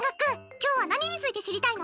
今日は何について知りたいの？